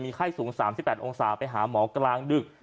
ไข้สูง๓๘องศาไปหาหมอกลางดึก